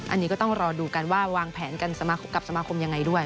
อันนี้ก็ต้องรอดูกันว่าวางแผนกันกับสมาคมยังไงด้วย